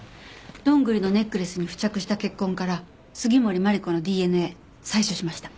どんぐりのネックレスに付着した血痕から杉森真梨子のＤＮＡ採取しました。